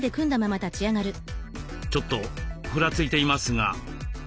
ちょっとふらついていますが。